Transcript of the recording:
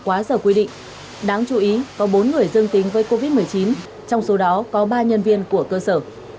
quá giờ quy định đáng chú ý có bốn người dương tính với covid một mươi chín trong số đó có ba nhân viên của cơ sở